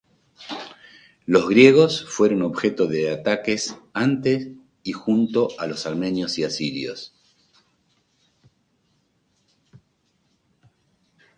Los griegos fueron objeto de ataques antes y junto a los armenios y asirios.